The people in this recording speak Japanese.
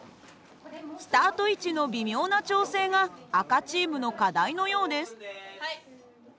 スタート位置の微妙な調整が赤チームの課題のようです。